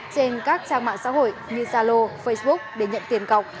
trên các trang mạng xã hội như zalo facebook để nhận tiền cọc